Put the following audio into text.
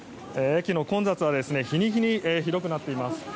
駅の混雑は日に日にひどくなっています。